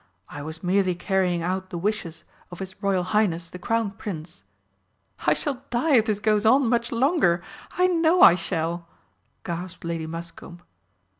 "I was merely carrying out the wishes of His Royal Highness the Crown Prince." "I shall die if this goes on much longer! I know I shall!" gasped Lady Muscombe.